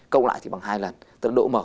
câu lại thì bằng hai lần tức là độ mở